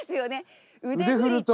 腕振ると。